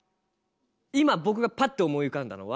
今僕がパッと思い浮かんだのは。